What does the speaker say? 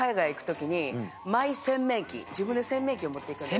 自分で洗面器を持っていくんです。